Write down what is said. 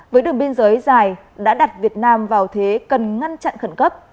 với đường biên giới dài đã đặt việt nam vào thế cần ngăn chặn khẩn cấp